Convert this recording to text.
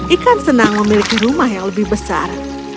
ikan senang memiliki rumah yang lebih besar